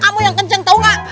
kamu yang kencang tau gak